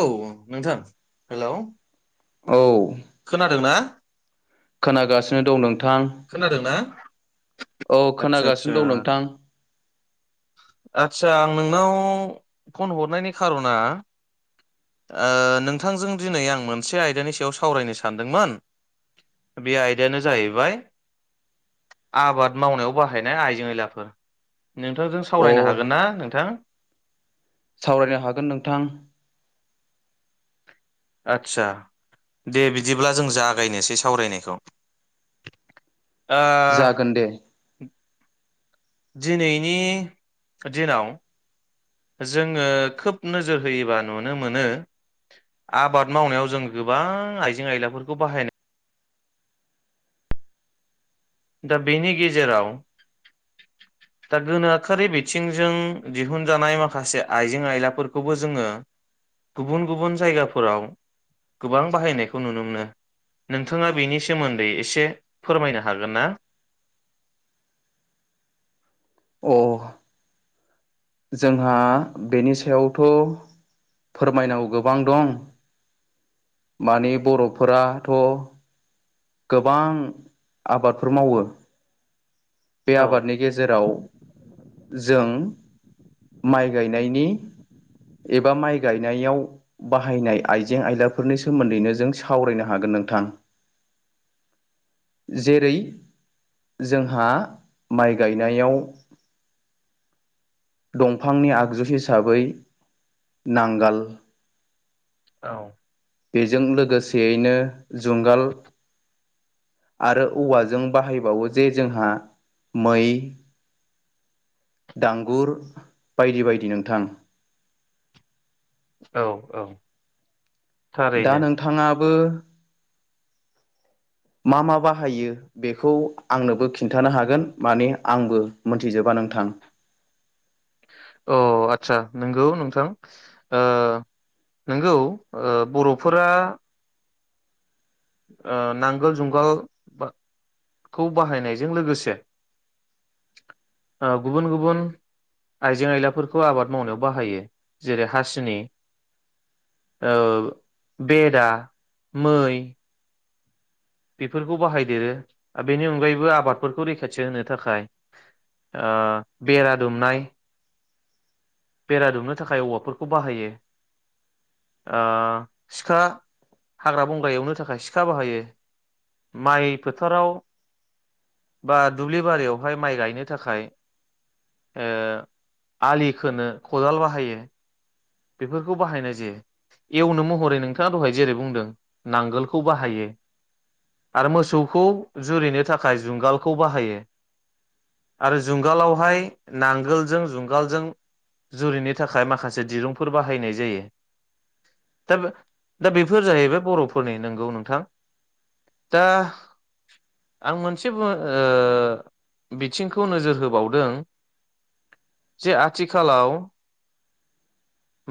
औ नोंथां। हेलौ औ। खोनादोंना? खोनागासिनो दं नों खोनादोंना औ आदसा खोनागासिनो आदसा दं नोंथां आदसा आं नोंनाव फन हरनायनि खार'ना ओ नोंथांजों दिनै आं मोनसे आयदानि सायाव सावरायनो सानदोंमोन बे आयदायानो जाहैबाय आबाद मावनायाव बाहायनाय आइजें-आइलाफोर नोंथांजों अ सावरायनो हागोन ना नोंथां? सावरायनो हागोन नोंथां। आदसा दे बिदिब्ला जों जागायनोसै सावरायनायखौ ओ जागोन दे दिनैनि दिनाव जोङो खोब नोजोर होयोबा नुनो मोनो आबाद मावनायाव जों गोबां आइजें-आयलाफोरखौ बाहायनो दा बेनि गेजेराव दा गोनोखोआरि बि, ससथिंजों दिहुनजानाय माखासे आइजें आयलाफोरखौबो जोङो गुबुन गुबुन जायगाफोराव गोबां बाहायनायखौ नुनो मोनो नोंथाङा बेनि सोमोन्दै एसे फोरमायनो हागोन ना? अ जोंहा बेनि सायावथ' फोरमायनांगौ गोबां दं माने बर'फोराथ' गोबां आबादफोर मावो। बे औ आबादनि गेजेराव जों माइ गायनायनि एबा माइ गायनायाव बाहायनाय आइजें-आयलाफोरनि सोमोन्दैनो जों सावरायनो हागोन नोंथां। जेरै जोंहा माइ गायनायाव दंफांनि आगजु हिसाबै नांगाल औ। बेजों लोगोसेयैनो जुंगाल आरो औवाजों बाहायबावो जे जोंहा मै दांगुर बायदि बायदि नोंथां। औ औ। दा थारैनो नोंथाङा बो मा मा बाहायो बेखौ आंनोबो खिन्थानो हागोन माने आंबो मोनथिजोबा नोंथां। अ आतसा नोंगौ नोंथां ओ नोंगौ ओ बर'फोरा ओ नांगोल जुंगालबाखौ बाहायनायजों लोगोसे ओ गुबुन गुबुन आइजें आयलाफोरखौ आबाद मावनायाव बाहायो जेरै हासिनि ओ बेदा, मै बेफोरखौ बाहायदेरो ओ बेनि अनगायैबो आबादफोरखौ रैखाथि होनो थाखाय ओ बेरा दुमनाय बेरा दुमनो थाखाय औवाफोरखौ बाहायो ओ सिखा हाग्रा-बंग्रा एवनो थाखाय सिखा बाहायो माइ फोथाराव बा दुब्लि बारियावहाय माइ गायनो थाखाय ओ आलि खोनो खदाल बाहायो बेफोरखौ बाहायनाय जायो एवनो महरै नोंथाङा दहाय जेरै बुंदों नांगोलखौ बाहायो आरो मोसौखौ जुरिनो थाखाय जुंगालखौ बाहायो आरो जुंगालावहाय नांगोलजों जुंगालजों जुरिनो थाखाय माखासे दिरुं फोर बाहायनाय जायो दा दा बेफोर जाहैबाय बर'फोरनि नोंगौ नोंथां दा आं मोनसे बो ओ बिथिंखौ नोजोर होबावदों जे आथिखालाव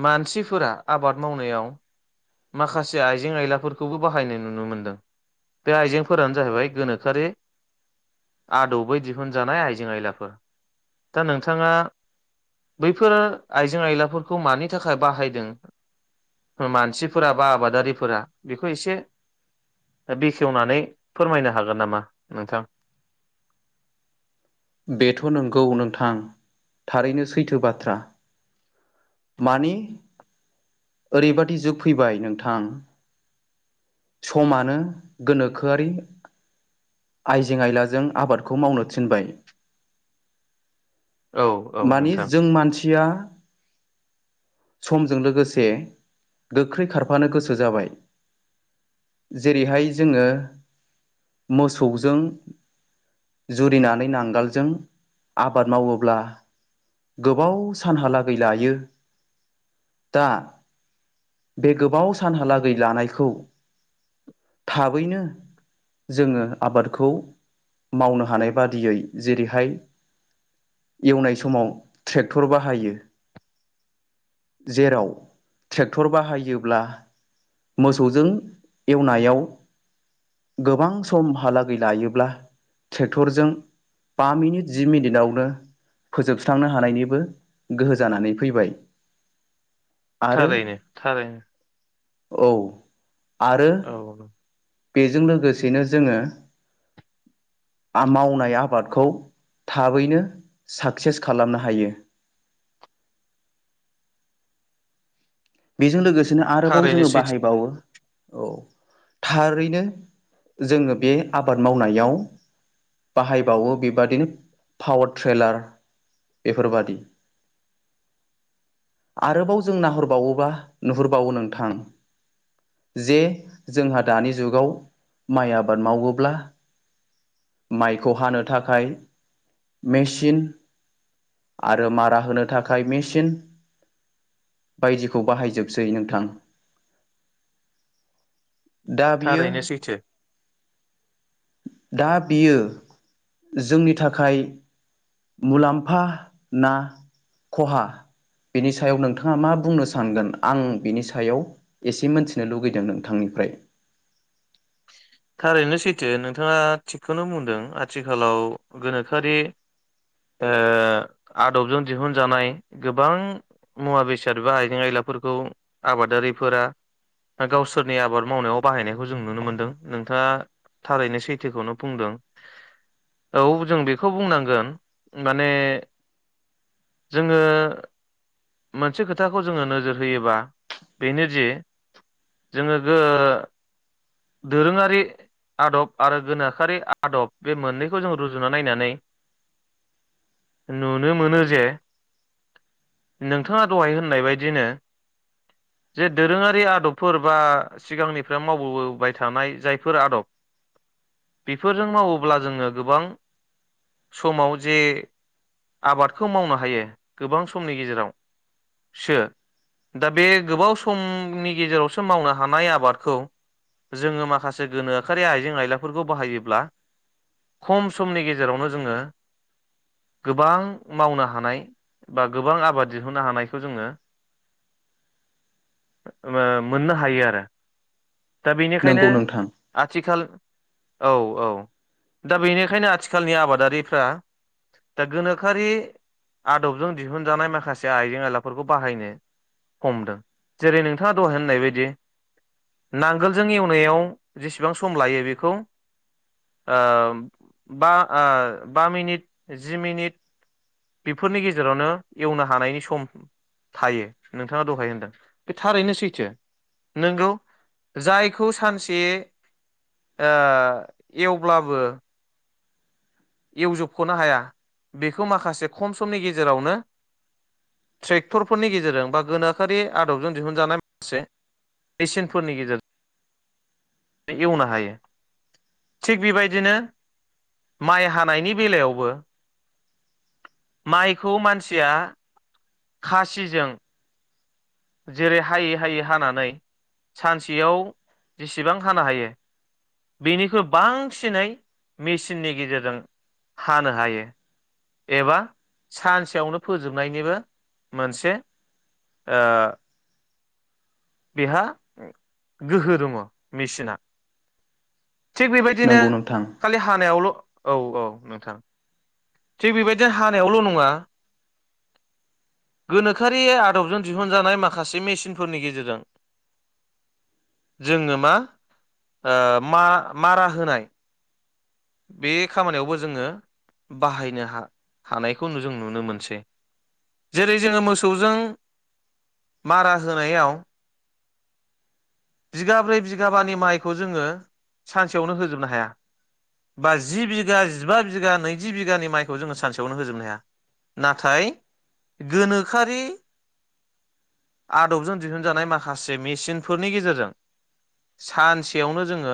मानसिफोरा आबाद मावनायाव माखासे आइजें आयलाफोरखौबो बाहायनाय नुनो मोनदों बे आइजेंफोरानो जाहैबाय गोनोखोआरि आदबै दिहुनजानाय आइजें आयलाफोर दा नोंथाङा बैफोर आइजें आयलाफोरखौ मानि थाखाय बाहायदों मानसि फोरा बा आबादारिफोरा बेखौ एसे बेखेवनानै फोरमायनो हागोन नामा नोंथां? बेथ' नोंगौ नोंथां थारैनो सैथो बाथ्रा मानि ओरैबादि जुग फैबाय नोंथां समानो गोनोखोआरि आइजें आइलाजों आबादखौ मावनो थिनबाय औ औ मानि नोंथां जों मानसिया समजों लोगोसे से गोख्रै खारफानो गोसो जाबाय जेरैहाय जोङो मोसौजों जुरिनानै नांगोलजों आबाद मावोब्ला गोबाव सानहालागै लायो दा बे गोबाव सानहालागै लानायखौ थाबैनो जोङो आबादखौ मावनो हानाय बादियै जेरैहाय एवनाय समाव ट्रेक्टर बाहायो जेराव ट्रेक्टर बाहायोब्ला मोसौजों एवनायाव गोबां समहालागै लायोब्ला ट्रेक्टरजों बा मिनिट जि मिनिटावनो फोजोबस्रांनो हानायनिबो गोहो जानानै फैबाय आरो थारैनो थारैनो औ आरो औ बेजों लोगोसेनो जोङो आमावनाय आबादखौ थाबैनो साक्सेस खालामनो हायो बेजों लोगोस दिनो आरोबाव थारैनो जोङो सैथो बाहायबावो औ थारैनो जोङो बे आबाद मावनायाव बाहायबावो बेबादिनो पावार ट्रेलार बेफोरबादि आरोबाव जों नाहरबावो बा नुहुरबावो नोंथां जे जोंहा दानि जुगाव माइ आबाद मावोब्ला माइखौ हानो थाखाय मेचिन आरो मारा होनो थाखाय मेचिन बायदिखौ बाहायजोबसै नोंथां दा बियो थारैनो सैथो दा बियो जोंनि थाखाय मुलाम्फा ना खहा बेनि सायाव नोंथाङा मा बुंनो सानगोन आं बिनि सायाव एसे मोनथिनो लुगैदों नोंथांनिफ्राय थारैनो सैथो नोंथाङा थिगखौनो बुंदों आथिखालाव गोनोखोआरि ओ आदबजों दिहुनजानाय गोबां मुवा बेसाद बा आइजें आयलाफोरखौ आबादारिफोरा गावसोरनि आबाद मावनायाव बाहायनायखौ जों नुनो मोनदों नोंथाङा थारैनो सैथोखौनो बुंदों औ जों बेखौ बुंनांगोन माने जोङो मोनसे खोथाखौ जोङो नोजोर होयोबा बेनोदि जोङो दो दोरोङारि आदब आरो गोनोखोआारि आदब बे मोननैखौ जों रुजुना नायनानै नुनो मोनो जे नोंथाङा दहाय होननाय बायदिनो जे दोरोङारि आदबफोर बा सिगांनिफ्राय मावबोबाय थानाय जायफोर आदब बेफोरजों मावोब्ला जोङो गोबां समाव जे आबादखौ मावनो हायो गोबां समनि गेजेराव सो दा बे गोबाव समनि गेजेरावसो मावनो हानाय आबादखौ जोङो माखासे गोनोखारि आइजें आयलाफोरखौ बाहायोब्ला खम समनि गेजेरावनो जोङो गोबां मावनो हानाय बा गोबां आबाद दिहुननो हानायखौ जोङो ओ मोननो हायो आरो दा बिनिखायनो नंगौ नोंथां आथिखाल औ औ दा बेनिखायनो आथिखालनि आबादारिफ्रा दा गोनोखोआरि आदबजों दिहुनजानाय माखासे से आइजें आइलाफोरखौ बाहायनो हमदों जेरै नोंथाङा दहाय होननाय बायदि नांगोलजों एवनायाव जेसेबां सम लायो बेखौ ओ बाओ बा मिनिट जि मिनिट बेफोरनि गेजेरावनो एवनो हानायनि सम थायो नोंथाङा दहाय होनदों बे थारैनो सैथो नोंगौ जायखौ सानसे ओ एवब्लाबो एवजोबख'नो हाया बेखौ माखासे खम समनि गेजेरावनो ट्रेक्टरफोरनि गेजेरजों बा गोनोखोरि आदबजों दिहुनजानाय माखासे मेचिनफोरनि गेजेरजों एवनो हायो थिग बेबायदिनो माइ हानायनि बेलायावबो माइखौ मानसिया खासिजों जेरै हायै हायै हानानै सानसेयाव जेसेबां हानो हायो बेनिखुइ बांसिनै मेसिननि गेजेरजों हानो हायो एबा सानसेयावनो फोजोबनायनिबो मोनसे ओ बेहा गोहो दङ मेसिना थिग बेबायदिनो नंगौ नोंथां खालि हानायावल' औ औ नोंथां थिग बेबायदिनो हानायावल' नङा गोनोखोआर आदबजों दिहुनजानाय मान माखासे मेसिनफोरनि गेजेरजों जोङो मा मारा होनाय बे खामानियावबो जोङो बाहायनो हा हानायखौ जों नुनो मोनसै जेरै जोङो मोसौजों मारा होनायाव बिगाब्रै बिगाबानि माइखौ जोङो सानसेयावनो होजोबनो हाया बा जि बिगा जिबा बिघा नैजि बिगानि माइखौ जोङो सानसेयावनो होजोबनो हाया नाथाय गोनोखोआरि आदबजों दिहुनजानाय माखासे मेसिनफोरनि गेजेरजों सानसेयावनो जोङो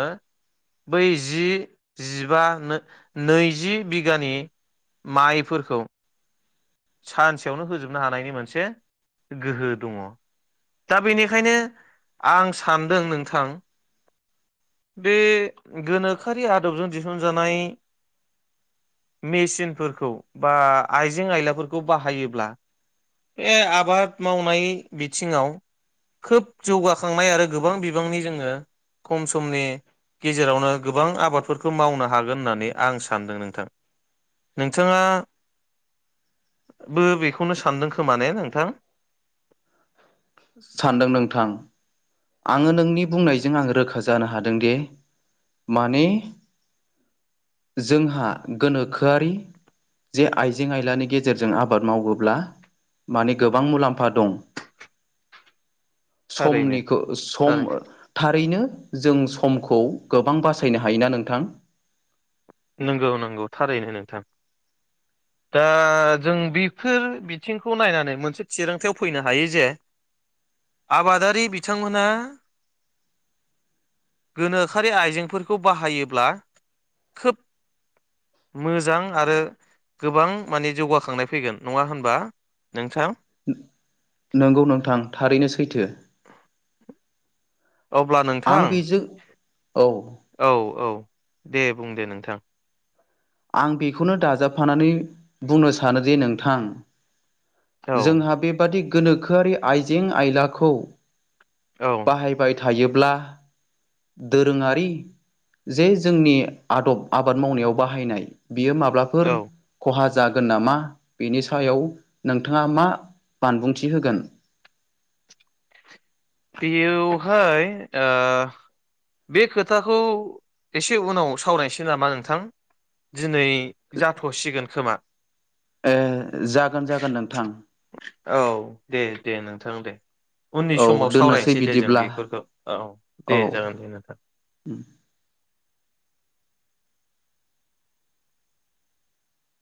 बै जि जिबा नैजि बिघानि माइफोरखौ सानसेयावनो होजोबनो हानायनि मोनसे गोहो दङ दा बेनिखायनो आं सानदों नोंथां बे गोनोखोआरि आदबजों दिहुनजानाय मेचिनफोरखौ बा आइजें आयलाफोरखौ खौ बाहायोब्ला बे आबाद मावनाय बिथिङाव खोब जौगाखांनाय आरो गोबां बिबांनि जोङो खम समनि गेजेरावनो गोबां आबादफोरखौ मावनो हागोन होननानै आं सानदों नोंथां नोंथाङा बो बेखौनो सानदों खोमा ने नोंथां? सानदों नोंथां आङो नोंनि बुंनायजों आङ रोखा जानो हादोंदि माने जोंहा गोनोखोआरि जे आइजें आइलानि गेजेरजों आबाद मावोब्ला माने गोबां मुलाम्फा दं । थारैनो [unintelligible] सम थारै थारैनो जों समखौ गोबां बासायनो हायोना नोंथां नंगौ नंगौ थारैनो नोंथां दा जों बेफोर बिथिंखौ नायनानै मोनसे थिरांथायाव फैनो हायो जे आबादारि बिथांमोनहा गोनोखोआरि आइजेंफोरखौ बाहायोब्ला खोब मोजां आरो गोबां माने जौगाखांनाय फैगोन नङा होनबा नोंथां नोंगौ नोंथां थारैनो सैथो अब्ला नोंथां आं बेजों औ औ औ दे बुं दे नोंथां आं बेखौनो दाजाबफानानै बुंनो सानो दिे नोंथां औ जोंहा बेबादि गोनोखोआरि आइजें आयलाखौ औ बाहायबाय थायोब्ला दोरोङारि जे जोंनि आदब आबाद मावनायाव बाहायनाय बियो माब्लाफोर औ खहा जागोन नामा बेनि सायाव नोंथाङा मा बानबुंथि होगोन । बेवहाय ओ बे खोथाखौ एसे उनाव सावरायनोसै नामा नोंथां दिनै जाथ'सिगोन खोमा । ए जागोन जागोन नोंथां औ दे दे नोंथां दे उननि औ समाव दोननोसै नै दे जों बिदिब्ला बेफोरखौ औ दे औ जागोन दे नोंथां उम